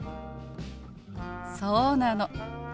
そうなの。